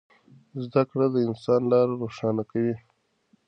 زده کړه د انسان لاره روښانه کوي.